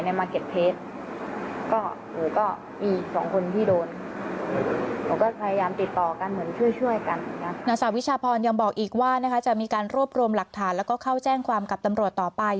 นางสาววิชาพรยังบอกอีกว่าจะมีการรวบรวมหลักฐานแล้วก็เข้าแจ้งความกับตำรวจต่อไป